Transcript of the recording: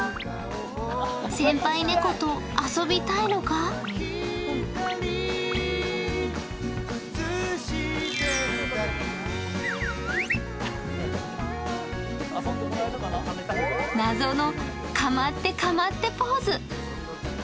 先輩猫と遊びたいのか謎のかまってかまってポーズ。